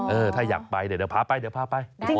เออถ้าอยากไปเดี๋ยวพาไป